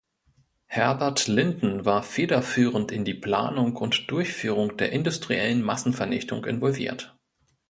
Herbert Linden war federführend in die Planung und Durchführung der industriellen Massenvernichtung involviert.